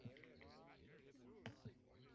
She loved the woman who sat in the window, dreaming.